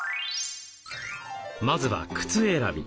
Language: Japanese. まずは靴選び。